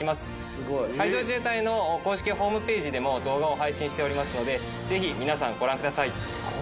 海上自衛隊の公式ホームページでも動画を配信しておりますのでぜひ皆さんご覧ください。